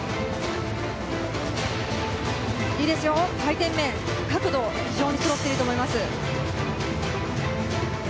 いいですよ、回転面、角度非常にそろっていると思います。